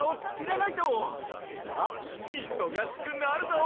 さあいそがしくなるぞ！